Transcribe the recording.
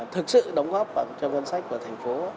thực sự đóng góp vào ngân sách của tp